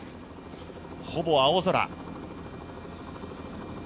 ほぼ青空。